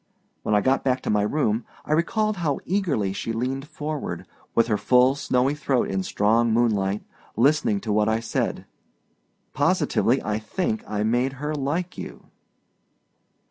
When I got back to my room, I recalled how eagerly she leaned forward, with her full, snowy throat in strong moonlight, listening to what I said. Positively, I think I made her like you!